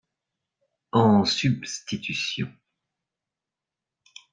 En substitution